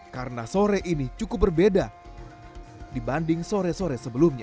karena sore ini cukup berbeda dibanding sore sore sebelumnya